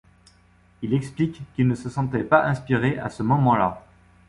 Il explique qu'il ne se sentait pas inspiré à ce moment-là.